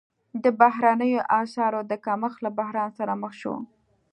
د بهرنیو اسعارو د کمښت له بحران سره مخ شو.